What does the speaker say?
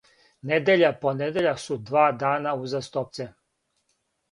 недеља понедељак су два дана узастопце